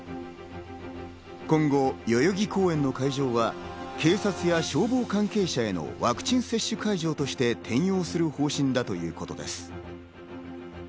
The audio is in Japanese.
今後、代々木公園の会場は、警察や消防関係者へのワクチン接種会場として転用する方針だということです。